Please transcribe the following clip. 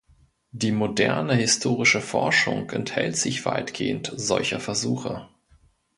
Die moderne historische Forschung enthält sich weitgehend solcher Versuche.